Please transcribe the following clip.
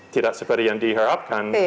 tidak seperti yang diharapkan